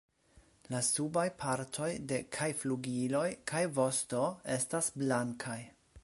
La subaj partoj de kaj flugiloj kaj vosto estas blankaj.